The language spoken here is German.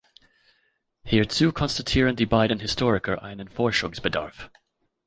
Hierzu konstatieren die beiden Historiker einen Forschungsbedarf.